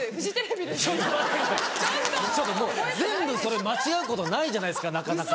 ちょっともう全部それ間違うことないじゃないですかなかなか。